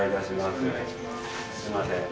すみません。